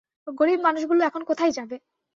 গরিব মানুষগুলো এখন কোথায় যাবে?